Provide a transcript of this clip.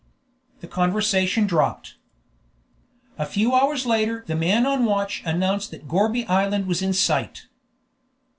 _'" The conversation dropped. A few hours later the man on watch announced that Gourbi Island was in sight.